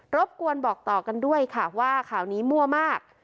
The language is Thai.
บกวนบอกต่อกันด้วยค่ะว่าข่าวนี้มั่วมาก